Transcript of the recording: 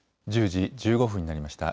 １０時１５分になりました。